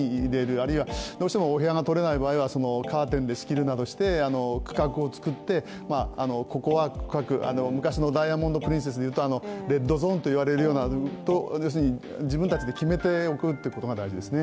あるいはどうしてもお部屋がとれない場合はカーテンで仕切るなどして区画を作って、ここは「ダイヤモンド・プリンセス」でいうとレッドゾーンといわれるような自分たちで決めておくことが大事ですね。